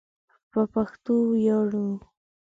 په پښتو ویاړو